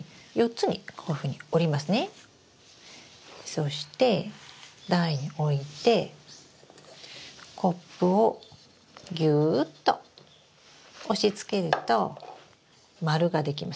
そして台に置いてコップをギューッと押しつけると丸が出来ます。